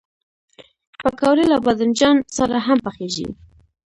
پکورې له بادنجان سره هم پخېږي